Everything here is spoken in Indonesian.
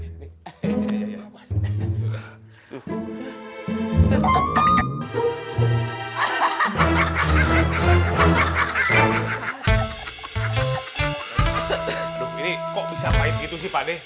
ustaz aduh ini kok bisa pahit gitu sih pakde